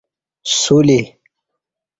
سولی